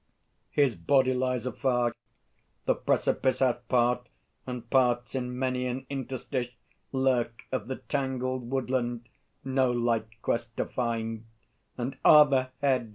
His body lies afar. The precipice Hath part, and parts in many an interstice Lurk of the tangled woodland no light quest To find. And, ah, the head!